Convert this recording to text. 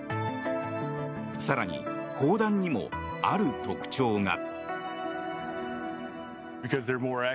更に、砲弾にもある特徴が。